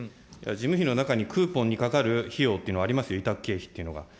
事務費の中にクーポンにかかる費用っていうのはあります、委託経費というのが。